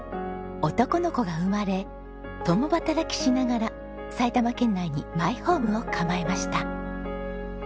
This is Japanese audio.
男の子が生まれ共働きしながら埼玉県内にマイホームを構えました。